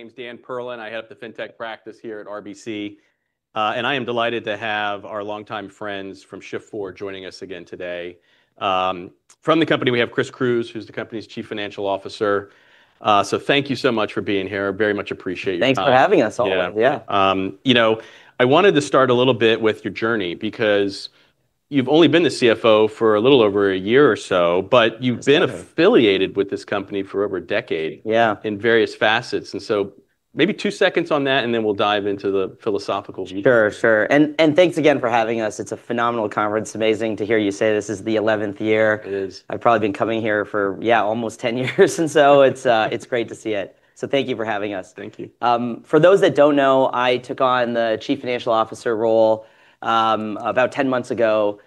My name's Dan Perlin. I head up the fintech practice here at RBC, I am delighted to have our longtime friends from Shift4 joining us again today. From the company, we have Christopher Cruz, who's the company's Chief Financial Officer. Thank you so much for being here. Very much appreciate your time. Thanks for having us all. Yeah. Yeah. I wanted to start a little bit with your journey, because you've only been the CFO for a little over a year or so, but you've been- That's right Affiliated with this company for over a decade Yeah. In various facets, maybe two seconds on that, then we'll dive into the philosophical meat of it. Sure. Thanks again for having us. It's a phenomenal conference. Amazing to hear you say this is the 11th year. It is. I've probably been coming here for almost 10 years and so it's great to see it. Thank you for having us. Thank you. For those that don't know, I took on the Chief Financial Officer role about 10 months ago,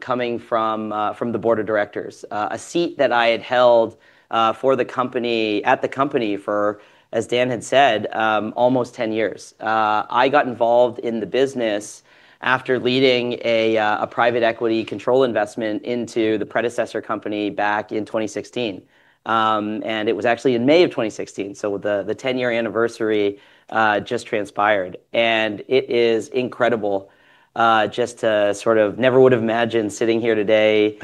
coming from the board of directors, a seat that I had held at the company for, as Dan had said, almost 10 years. I got involved in the business after leading a private equity control investment into the predecessor company back in 2016. It was actually in May of 2016, so the 10-year anniversary just transpired. It is incredible just to, never would've imagined sitting in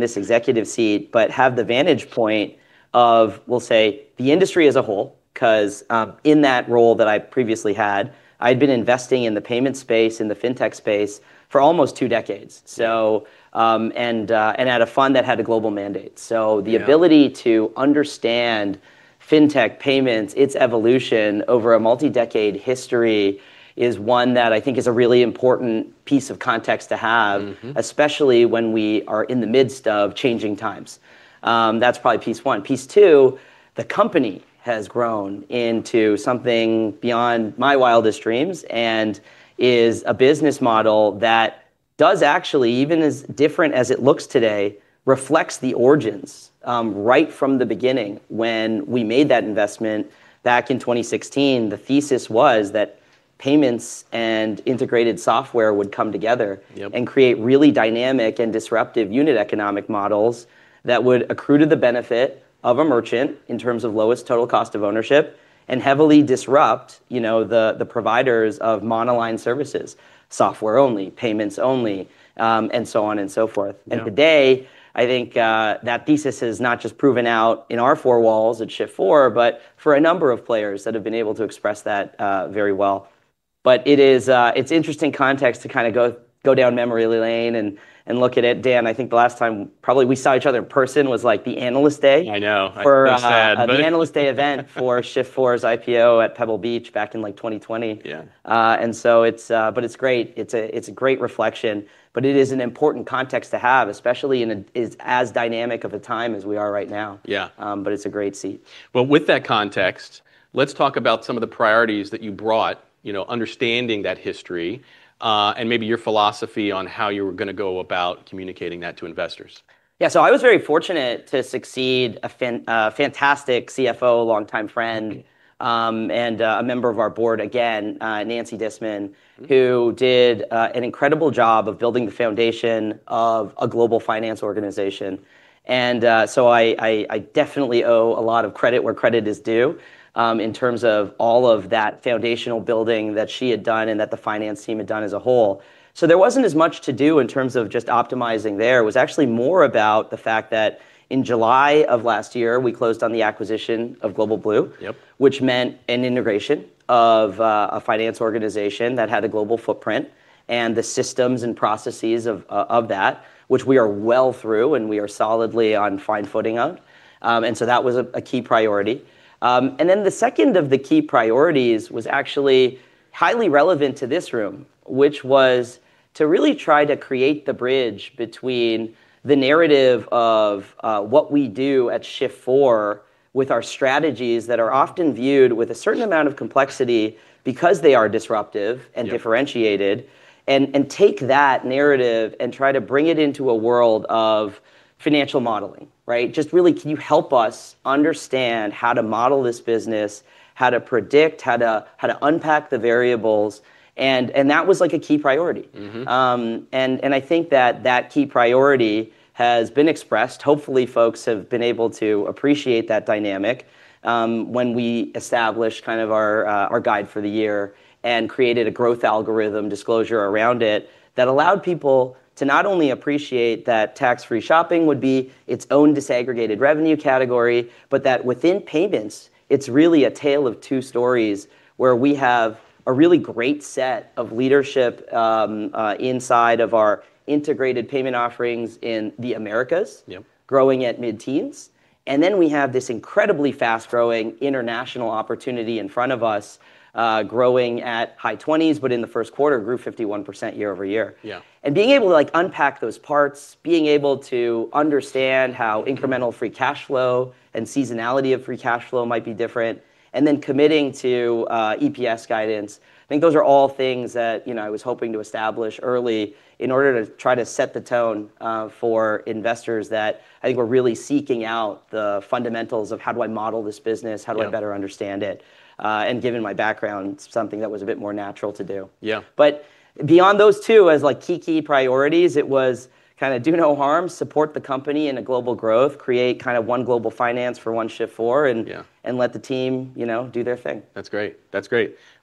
this executive seat, but have the vantage point of, we'll say, the industry as a whole. Because in that role that I previously had, I'd been investing in the payment space, in the fintech space for almost two decades. Yeah. At a fund that had a global mandate. Yeah Ability to understand fintech, payments, its evolution over a multi-decade history is one that I think is a really important piece of context to have. especially when we are in the midst of changing times. That's probably piece one. Piece two, the company has grown into something beyond my wildest dreams, and is a business model that does actually, even as different as it looks today, reflects the origins. Right from the beginning when we made that investment back in 2016, the thesis was that payments and integrated software would come together. Yep. Create really dynamic and disruptive unit economic models that would accrue to the benefit of a merchant, in terms of lowest total cost of ownership, and heavily disrupt the providers of monoline services, software only, payments only, and so on and so forth. Yeah. Today, I think that thesis has not just proven out in our four walls at Shift4, but for a number of players that have been able to express that very well. It's interesting context to go down memory lane and look at it. Dan, I think the last time probably we saw each other in person was like the Analyst Day. I know. It's sad, for the Analyst Day event for Shift4's IPO at Pebble Beach back in like 2020. Yeah. It's great. It's a great reflection, but it is an important context to have, especially in as dynamic of a time as we are right now. Yeah. It's a great seat. Well, with that context, let's talk about some of the priorities that you brought, understanding that history, and maybe your philosophy on how you were going to go about communicating that to investors. Yeah. I was very fortunate to succeed a fantastic CFO, longtime friend. A member of our board again, Nancy Disman, who did an incredible job of building the foundation of a global finance organization. I definitely owe a lot of credit where credit is due, in terms of all of that foundational building that she had done and that the finance team had done as a whole. There wasn't as much to do in terms of just optimizing there. It was actually more about the fact that in July of last year, we closed on the acquisition of Global Blue. Yep. Which meant an integration of a finance organization that had a global footprint, and the systems and processes of that, which we are well through and we are solidly on fine-footing of. That was a key priority. The second of the key priorities was actually highly relevant to this room, which was to really try to create the bridge between the narrative of what we do at Shift4 with our strategies that are often viewed with a certain amount of complexity because they are disruptive and differentiated. Yeah. Take that narrative and try to bring it into a world of financial modeling. Right? Just really, can you help us understand how to model this business, how to predict, how to unpack the variables, that was a key priority. I think that that key priority has been expressed. Hopefully folks have been able to appreciate that dynamic, when we established our guide for the year and created a growth algorithm disclosure around it that allowed people to not only appreciate that tax-free shopping would be its own disaggregated revenue category, but that within payments, it's really a tale of two stories where we have a really great set of leadership inside of our integrated payment offerings in the Americas. Yep. Growing at mid-teens. We have this incredibly fast-growing international opportunity in front of us, growing at high 20s, but in the first quarter grew 51% year-over-year. Yeah. Being able to unpack those parts, being able to understand how incremental free cash flow and seasonality of free cash flow might be different, then committing to EPS guidance. I think those are all things that I was hoping to establish early in order to try to set the tone for investors that I think we're really seeking out the fundamentals of how do I model this business? Yeah. How do I better understand it? Given my background, something that was a bit more natural to do. Yeah. Beyond those two as key priorities, it was do no harm, support the company in a global growth, create one global finance for one Shift4. Yeah. Let the team do their thing. That's great.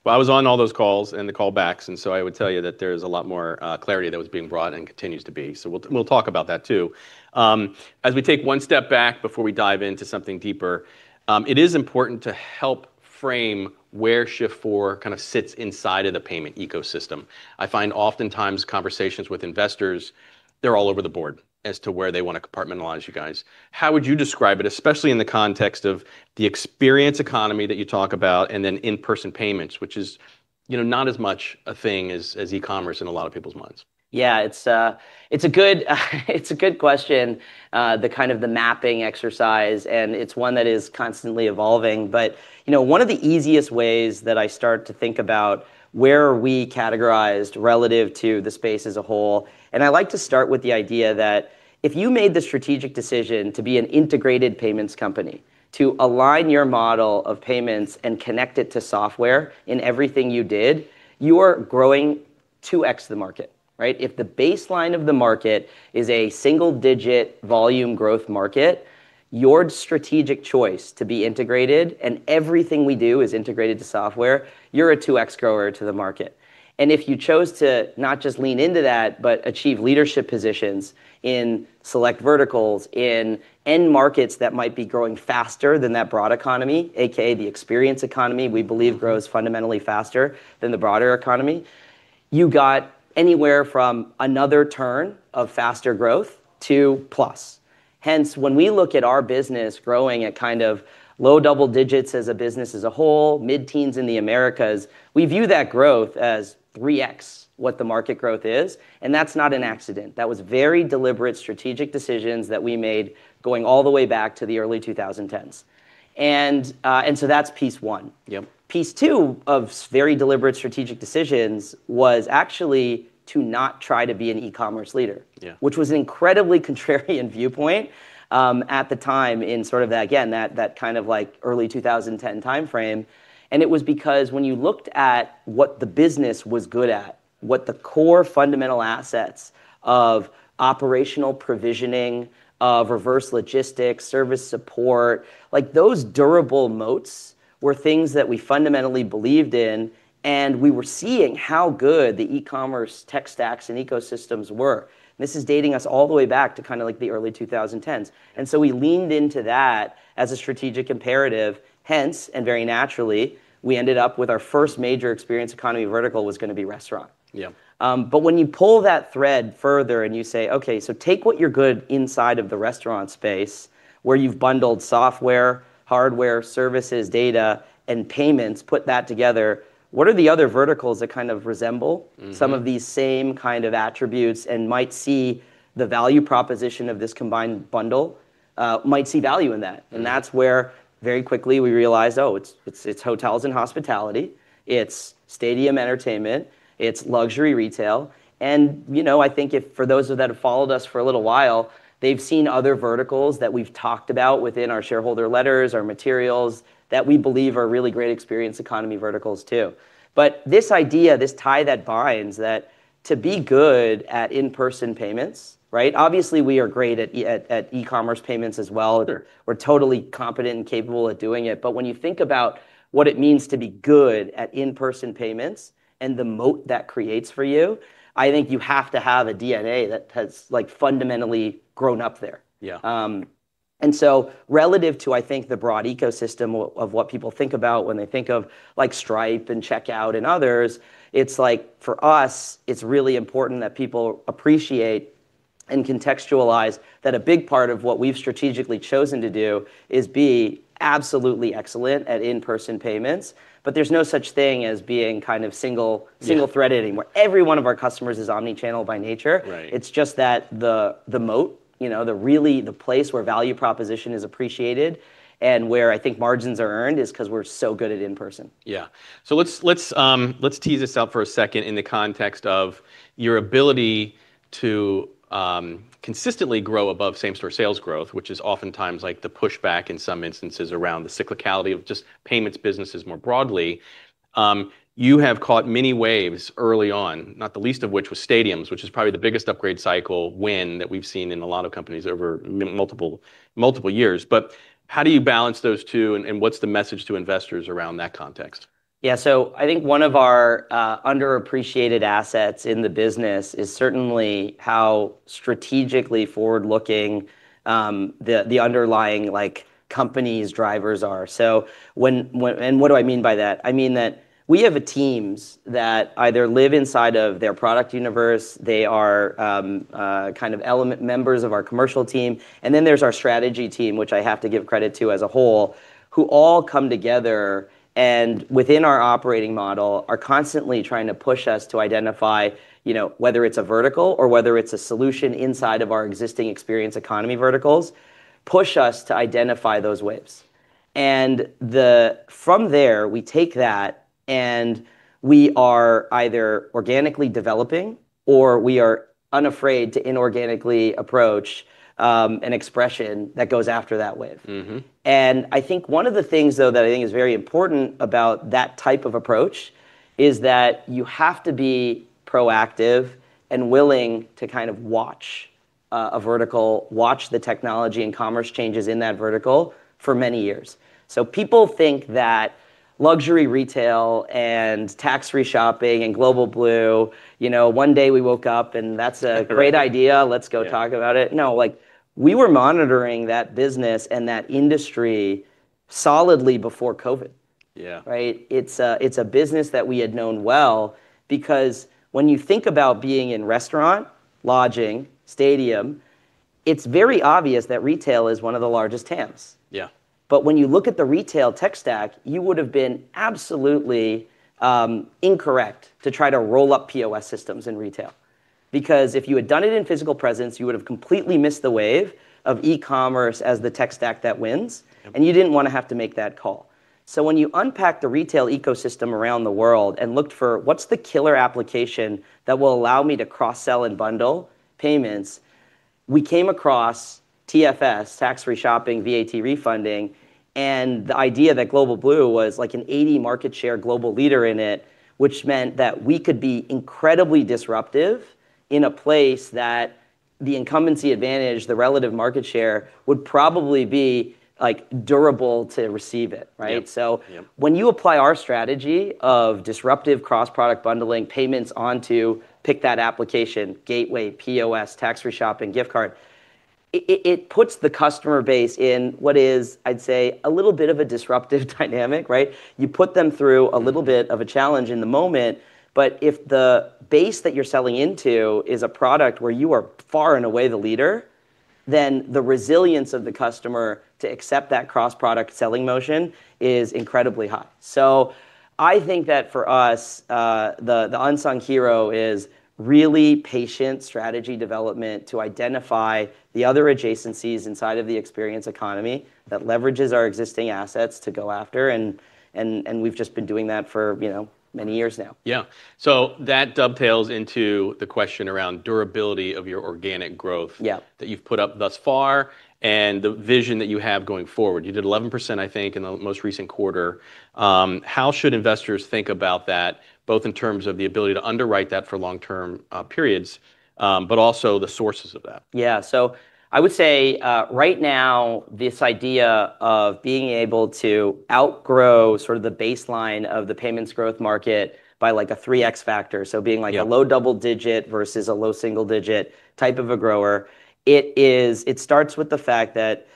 I was on all those calls and the callbacks, I would tell you that there's a lot more clarity that was being brought and continues to be, we'll talk about that too. As we take one step back before we dive into something deeper, it is important to help frame where Shift4 sits inside of the payment ecosystem. I find oftentimes conversations with investors, they're all over the board as to where they want to compartmentalize you guys. How would you describe it, especially in the context of the experience economy that you talk about, and then in-person payments, which is not as much a thing as e-commerce in a lot of people's minds? Yeah. It's a good question, the kind of the mapping exercise, it's one that is constantly evolving. One of the easiest ways that I start to think about where are we categorized relative to the space as a whole, I like to start with the idea that if you made the strategic decision to be an integrated payments company, to align your model of payments and connect it to software in everything you did, you are growing 2X the market, right? If the baseline of the market is a single-digit volume growth market, your strategic choice to be integrated, everything we do is integrated to software, you're a 2X grower to the market. If you chose to not just lean into that, but achieve leadership positions in select verticals, in end markets that might be growing faster than that broad economy, AKA, the experience economy, we believe grows fundamentally faster than the broader economy, you got anywhere from another turn of faster growth to plus. Hence, when we look at our business growing at low double digits as a business as a whole, mid-teens in the Americas, we view that growth as 3X, what the market growth is, that's not an accident. That was very deliberate strategic decisions that we made going all the way back to the early 2010s. That's piece one. Yep. Piece two of very deliberate strategic decisions was actually to not try to be an e-commerce leader. Yeah. Which was an incredibly contrarian viewpoint at the time in that early 2010 timeframe. It was because when you looked at what the business was good at, what the core fundamental assets of operational provisioning, of reverse logistics, service support, those durable moats were things that we fundamentally believed in, and we were seeing how good the e-commerce tech stacks and ecosystems were. This is dating us all the way back to the early 2010s. We leaned into that as a strategic imperative. Hence, and very naturally, we ended up with our first major experience economy vertical was going to be restaurant. Yeah. When you pull that thread further and you say, okay, take what you're good inside of the restaurant space where you've bundled software, hardware, services, data, and payments, put that together, what are the other verticals that kind of resemble Some of these same kind of attributes and might see the value proposition of this combined bundle, might see value in that. That's where very quickly we realized, oh, it's hotels and hospitality, it's stadium entertainment, it's luxury retail, and I think if for those that have followed us for a little while, they've seen other verticals that we've talked about within our shareholder letters or materials, that we believe are really great experience economy verticals, too. This idea, this tie that binds that to be good at in-person payments, right? Obviously, we are great at e-commerce payments as well. Sure. We're totally competent and capable of doing it. When you think about what it means to be good at in-person payments and the moat that creates for you, I think you have to have a DNA that has fundamentally grown up there. Yeah. Relative to, I think, the broad ecosystem of what people think about when they think of Stripe and Checkout.com and others, it's like for us, it's really important that people appreciate and contextualize that a big part of what we've strategically chosen to do is be absolutely excellent at in-person payments. There's no such thing as being single-thread anymore. Every one of our customers is omni-channel by nature. Right. It's just that the moat, the place where value proposition is appreciated and where I think margins are earned, is because we're so good at in-person. Yeah. Let's tease this out for a second in the context of your ability to consistently grow above same-store sales growth, which is oftentimes the pushback in some instances around the cyclicality of just payments businesses more broadly. You have caught many waves early on, not the least of which was stadiums, which is probably the biggest upgrade cycle win that we've seen in a lot of companies over multiple years. How do you balance those two and what's the message to investors around that context? Yeah. I think one of our underappreciated assets in the business is certainly how strategically forward-looking the underlying company's drivers are. What do I mean by that? I mean that we have teams that either live inside of their product universe, they are element members of our commercial team, and then there's our strategy team, which I have to give credit to as a whole, who all come together, and within our operating model, are constantly trying to push us to identify, whether it's a vertical or whether it's a solution inside of our existing experience economy verticals, push us to identify those waves. From there, we take that, and we are either organically developing or we are unafraid to inorganically approach an expression that goes after that wave. I think one of the things, though, that I think is very important about that type of approach is that you have to be proactive and willing to watch a vertical, watch the technology and commerce changes in that vertical for many years. People think that luxury retail and tax-free shopping and Global Blue, one day we woke up and that's a great idea. Yeah. Let's go talk about it. No, we were monitoring that business and that industry solidly before COVID. Yeah. Right? It's a business that we had known well because when you think about being in restaurant, lodging, stadium, it's very obvious that retail is one of the largest TAMs. Yeah. When you look at the retail tech stack, you would've been absolutely incorrect to try to roll up POS systems in retail. Because if you had done it in physical presence, you would've completely missed the wave of e-commerce as the tech stack that wins. Yep. You didn't want to have to make that call. When you unpack the retail ecosystem around the world and looked for what's the killer application that will allow me to cross-sell and bundle payments. We came across TFS, tax-free shopping, VAT refunding, and the idea that Global Blue was like an 80% market share global leader in it, which meant that we could be incredibly disruptive in a place that the incumbency advantage, the relative market share, would probably be durable to receive it, right? Yep. When you apply our strategy of disruptive cross-product bundling, payments onto pick that application, gateway, POS, tax-free shopping, gift card, it puts the customer base in what is, I'd say, a little bit of a disruptive dynamic, right? You put them through a little bit of a challenge in the moment, but if the base that you're selling into is a product where you are far and away the leader, then the resilience of the customer to accept that cross-product selling motion is incredibly high. I think that for us, the unsung hero is really patient strategy development to identify the other adjacencies inside of the experience economy that leverages our existing assets to go after and we've just been doing that for many years now. Yeah. That dovetails into the question around durability of your organic growth. Yeah. That you've put up thus far and the vision that you have going forward. You did 11%, I think, in the most recent quarter. How should investors think about that, both in terms of the ability to underwrite that for long-term periods, but also the sources of that? Yeah. I would say, right now, this idea of being able to outgrow sort of the baseline of the payments growth market by a 3X factor, being like a low double-digit versus a low single-digit type of a grower, it starts with the fact that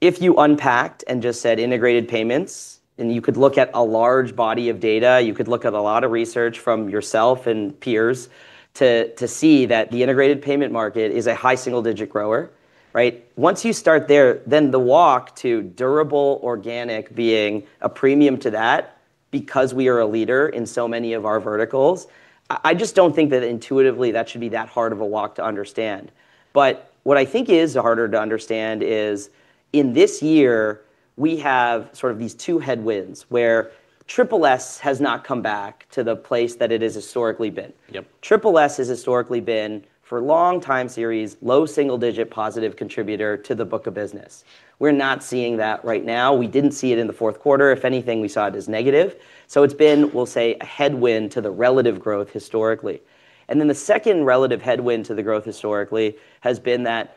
if you unpacked and just said integrated payments, and you could look at a large body of data, you could look at a lot of research from yourself and peers to see that the integrated payment market is a high single-digit grower, right? Once you start there, the walk to durable organic being a premium to that because we are a leader in so many of our verticals, I just don't think that intuitively that should be that hard of a walk to understand. What I think is harder to understand is in this year, we have sort of these two headwinds where TripleS has not come back to the place that it has historically been. Yep. TripleS has historically been, for a long time, series low single-digit positive contributor to the book of business. We're not seeing that right now. We didn't see it in the fourth quarter. If anything, we saw it as negative. It's been, we'll say, a headwind to the relative growth historically. The second relative headwind to the growth historically has been that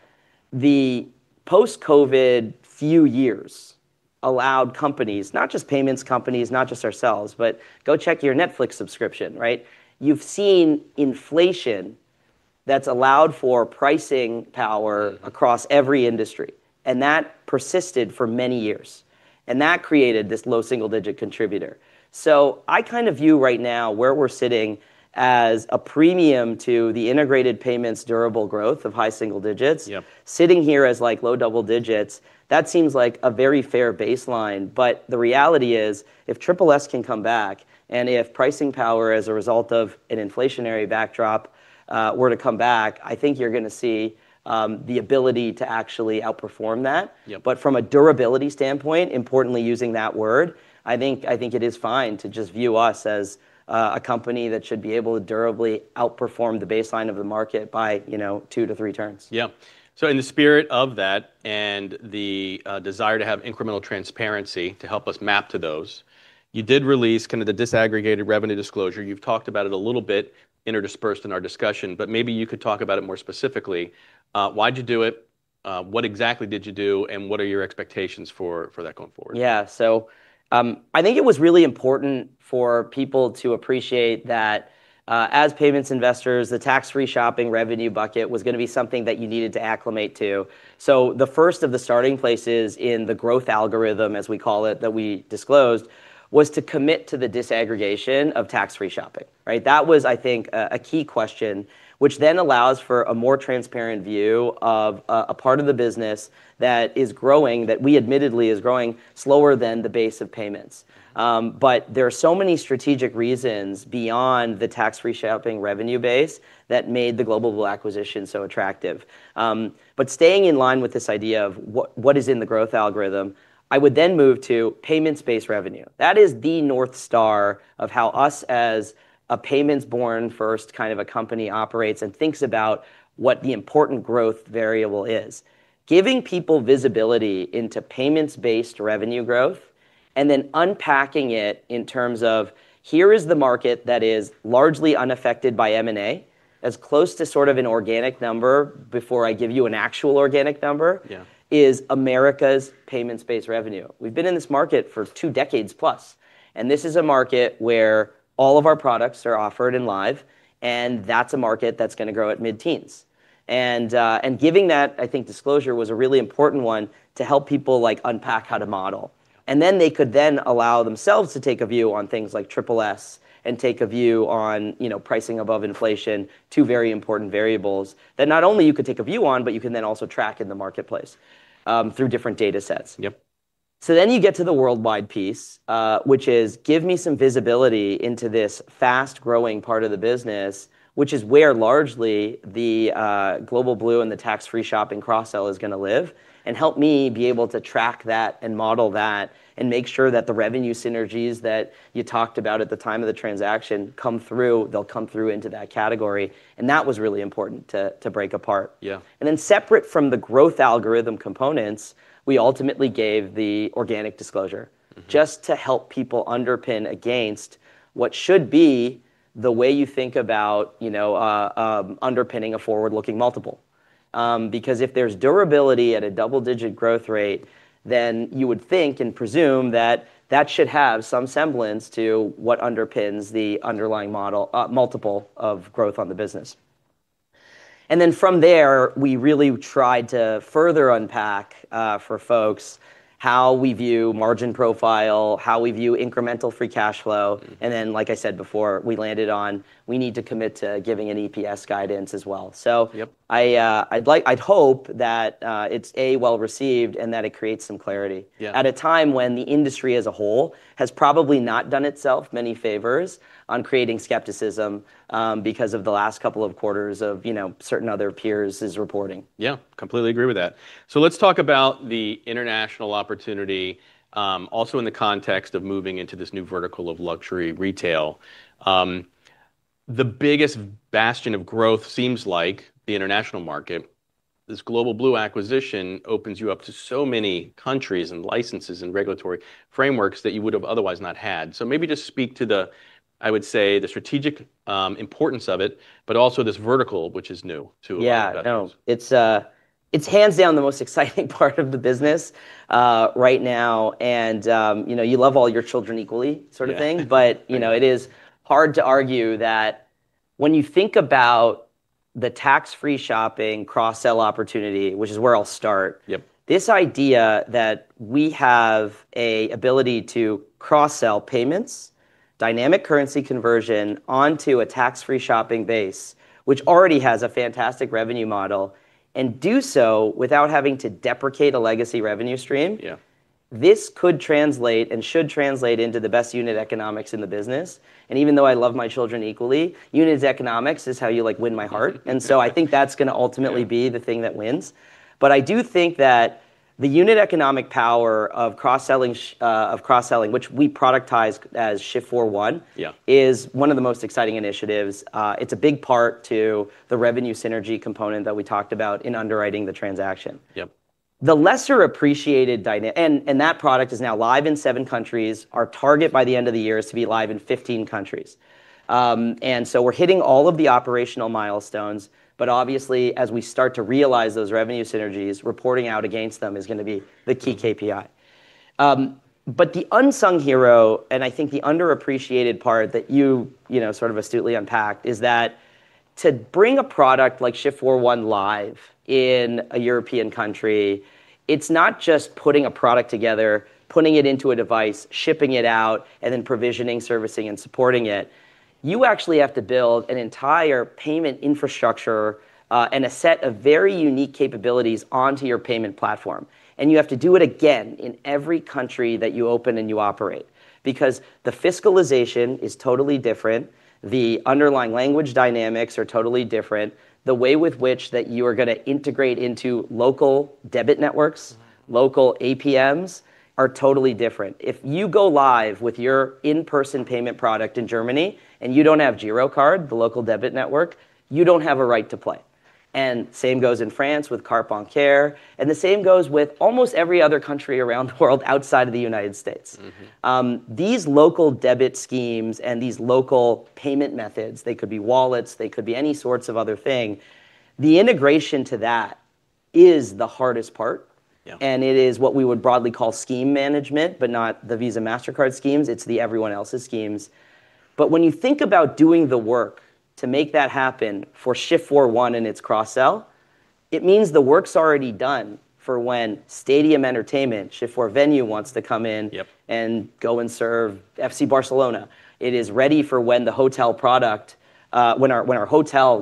the post-COVID few years allowed companies, not just payments companies, not just ourselves, but go check your Netflix subscription, right? You've seen inflation that's allowed for pricing power across every industry, and that persisted for many years. That created this low single-digit contributor. I kind of view right now where we're sitting as a premium to the integrated payments durable growth of high single-digits. Yep. Sitting here as low double digits, that seems like a very fair baseline. The reality is, if TripleS can come back and if pricing power as a result of an inflationary backdrop were to come back, I think you're going to see the ability to actually outperform that. Yep. From a durability standpoint, importantly using that word, I think it is fine to just view us as a company that should be able to durably outperform the baseline of the market by two to three turns. In the spirit of that and the desire to have incremental transparency to help us map to those, you did release the disaggregated revenue disclosure. You've talked about it a little bit interspersed in our discussion, but maybe you could talk about it more specifically. Why'd you do it? What exactly did you do, and what are your expectations for that going forward? I think it was really important for people to appreciate that, as payments investors, the tax-free shopping revenue bucket was going to be something that you needed to acclimate to. The first of the starting places in the growth algorithm, as we call it, that we disclosed, was to commit to the disaggregation of tax-free shopping. Right? That was, I think, a key question, which allows for a more transparent view of a part of the business that is growing, that we admittedly is growing slower than the base of payments. There are so many strategic reasons beyond the tax-free shopping revenue base that made the Global Blue acquisition so attractive. Staying in line with this idea of what is in the growth algorithm, I would move to payments-based revenue. That is the North Star of how us as a payments-born first kind of a company operates and thinks about what the important growth variable is. Giving people visibility into payments-based revenue growth and then unpacking it in terms of here is the market that is largely unaffected by M&A, as close to sort of an organic number before I give you an actual organic number. Yeah. ..is America's payments-based revenue. We've been in this market for two decades plus, and this is a market where all of our products are offered and live, and that's a market that's going to grow at mid-teens. Giving that, I think, disclosure was a really important one to help people unpack how to model. They could then allow themselves to take a view on things like TripleS and take a view on pricing above inflation, two very important variables that not only you could take a view on, but you can then also track in the marketplace through different data sets. Yep. You get to the worldwide piece, which is give me some visibility into this fast-growing part of the business, which is where largely the Global Blue and the tax-free shopping cross-sell is going to live, and help me be able to track that and model that and make sure that the revenue synergies that you talked about at the time of the transaction come through. They'll come through into that category, and that was really important to break apart. Yeah. Separate from the growth algorithm components, we ultimately gave the organic disclosure, just to help people underpin against what should be the way you think about underpinning a forward-looking multiple. Because if there's durability at a double-digit growth rate, then you would think and presume that that should have some semblance to what underpins the underlying multiple of growth on the business. From there, we really tried to further unpack for folks how we view margin profile, how we view incremental free cash flow. Then, like I said, before we landed on we need to commit to giving an EPS guidance as well. Yep. I'd hope that it's, A, well received and that it creates some clarity. Yeah. At a time when the industry as a whole has probably not done itself many favors on creating skepticism because of the last couple of quarters of certain other peers' reporting. Yeah. Completely agree with that. Let's talk about the international opportunity also in the context of moving into this new vertical of luxury retail. The biggest bastion of growth seems like the international market. This Global Blue acquisition opens you up to so many countries and licenses and regulatory frameworks that you would have otherwise not had. Maybe just speak to the, I would say, the strategic importance of it, but also this vertical, which is new to us. No. It's hands down the most exciting part of the business right now. You love all your children equally sort of thing. Yeah. It is hard to argue that when you think about the tax-free shopping cross-sell opportunity, which is where I'll start. Yep. This idea that we have an ability to cross-sell payments, dynamic currency conversion onto a tax-free shopping base, which already has a fantastic revenue model, and do so without having to deprecate a legacy revenue stream. Yeah. This could translate and should translate into the best unit economics in the business. Even though I love my children equally, unit economics is how you win my heart. I think that's going to ultimately be the thing that wins. I do think that the unit economic power of cross-selling, which we productized as Shift4 One. Yeah. ..is one of the most exciting initiatives. It's a big part to the revenue synergy component that we talked about in underwriting the transaction. Yep. That product is now live in seven countries. Our target by the end of the year is to be live in 15 countries. We're hitting all of the operational milestones, but obviously, as we start to realize those revenue synergies, reporting out against them is going to be the key KPI. The unsung hero, and I think the underappreciated part that you astutely unpacked, is that to bring a product like Shift4 One live in a European country, it's not just putting a product together, putting it into a device, shipping it out, and then provisioning, servicing, and supporting it. You actually have to build an entire payment infrastructure, and a set of very unique capabilities onto your payment platform. You have to do it again in every country that you open and you operate. The fiscalization is totally different, the underlying language dynamics are totally different, the way with which that you are going to integrate into local debit networks, local APMs, are totally different. If you go live with your in-person payment product in Germany, and you don't have girocard, the local debit network, you don't have a right to play. Same goes in France with Cartes Bancaires, the same goes with almost every other country around the world outside of the U.S. These local debit schemes and these local payment methods, they could be wallets, they could be any sorts of other thing, the integration to that is the hardest part. Yeah. It is what we would broadly call scheme management, not the Visa, Mastercard schemes, it's the everyone else's schemes. When you think about doing the work to make that happen for Shift4 One and its cross-sell, it means the work's already done for when stadium entertainment, Shift4 Venue wants to come in. Yep. Go and serve FC Barcelona. It is ready for when our hotel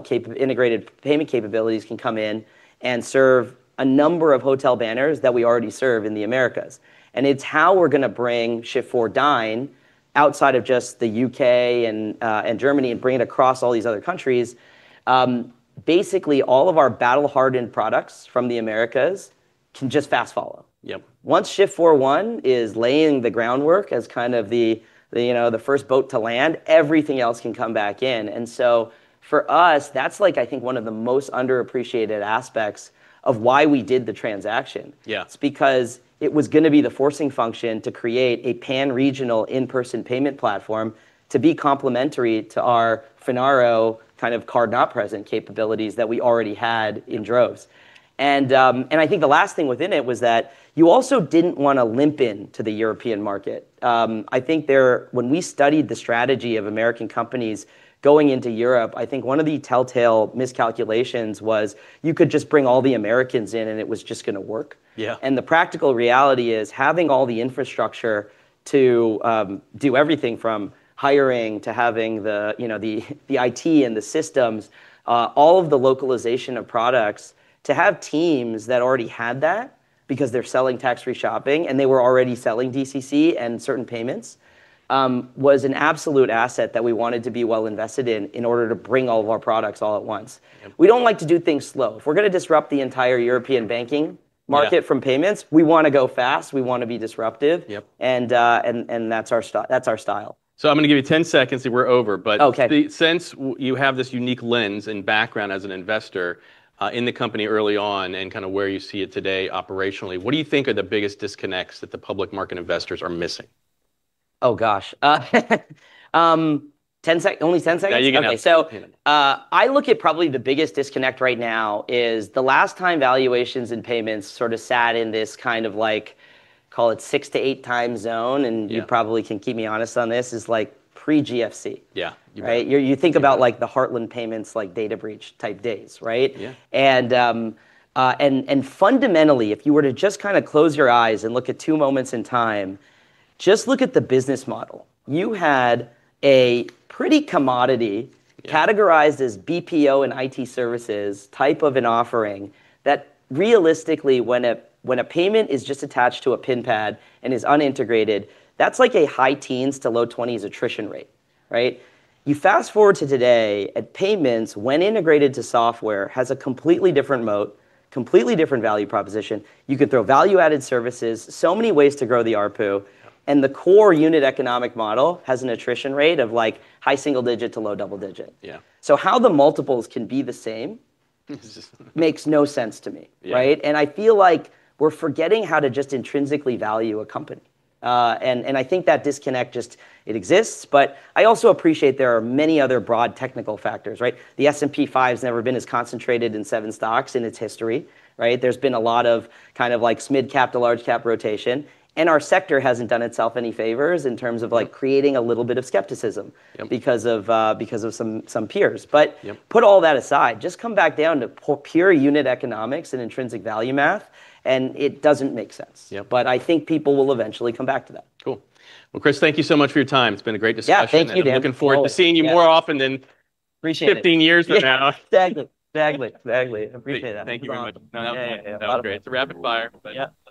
integrated payment capabilities can come in and serve a number of hotel banners that we already serve in the Americas. It's how we're going to bring Shift4 Dine outside of just the U.K. and Germany, and bring it across all these other countries. Basically, all of our battle-hardened products from the Americas can just fast follow. Yep. Once Shift4 One is laying the groundwork as kind of the first boat to land, everything else can come back in. For us, that's I think one of the most underappreciated aspects of why we did the transaction. Yeah. It's because it was going to be the forcing function to create a pan-regional in-person payment platform to be complementary to our Finaro kind of card-not-present capabilities that we already had in droves. I think the last thing within it was that you also didn't want to limp in to the European market. I think when we studied the strategy of American companies going into Europe, I think one of the telltale miscalculations was you could just bring all the Americans in, and it was just going to work. Yeah. The practical reality is having all the infrastructure to do everything from hiring to having the IT and the systems, all of the localization of products to have teams that already had that because they're selling tax-free shopping and they were already selling DCC and certain payments, was an absolute asset that we wanted to be well invested in in order to bring all of our products all at once. Yep. We don't like to do things slow. If we're going to disrupt the entire European banking market Yeah. From payments, we want to go fast, we want to be disruptive. Yep. That's our style. I'm going to give you 10 seconds, then we're over. Okay. Since you have this unique lens and background as an investor, in the company early on and where you see it today operationally, what do you think are the biggest disconnects that the public market investors are missing? Oh, gosh. Only 10 seconds? Yeah, you can have it. Okay. I look at probably the biggest disconnect right now is the last time valuations and payments sort of sat in this kind of call it six to eight time zone. Yeah. You probably can keep me honest on this, is pre-GFC. Yeah. You're right. Right? Yeah, the Heartland Payments data breach type days, right? Yeah. Fundamentally, if you were to just close your eyes and look at two moments in time, just look at the business model. You had a pretty commodity. Yeah, categorized as BPO and IT services type of an offering that realistically when a payment is just attached to a pinpad and is unintegrated, that's like a high teens to low 20s attrition rate. You fast-forward to today at payments, when integrated to software, has a completely different moat, completely different value proposition. You could throw value-added services, so many ways to grow the ARPU. Yeah. The core unit economic model has an attrition rate of high single digit to low double digit. Yeah. How the multiples can be the same makes no sense to me. Yeah. I feel like we're forgetting how to just intrinsically value a company. I think that disconnect just, it exists, but I also appreciate there are many other broad technical factors. The S&P 500's never been as concentrated in seven stocks in its history. There's been a lot of mid-cap to large cap rotation, and our sector hasn't done itself any favors in terms of creating a little bit of skepticism. Yep. Because of some peers. Yep. Put all that aside, just come back down to pure unit economics and intrinsic value math, and it doesn't make sense. Yep. I think people will eventually come back to that. Cool. Well, Chris, thank you so much for your time. It's been a great discussion. Yeah. Thank you, Dan. I'm looking forward to seeing you more often. Appreciate it 15 years from now. Exactly. I appreciate that. Thank you very much. No, yeah. That was great. It's a rapid fire, Yep